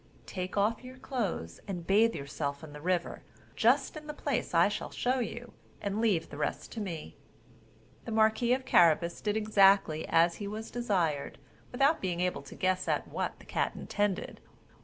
Take off your clothes, and bathe yourself in the river, just in the place I shall show you, and leave the rest to me," The marquis of Carabas did exactly as he was desired, without being able to guess at what the cat intended.